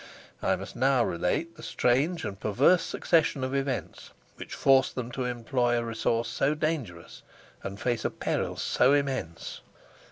I must now relate the strange and perverse succession of events which forced them to employ a resource so dangerous and face a peril so immense.